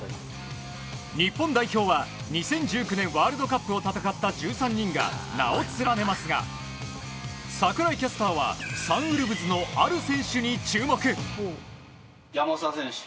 日本代表は２０１９年ワールドカップを戦った１３人が名を連ねますが櫻井キャスターはサンウルブズのある選手に注目。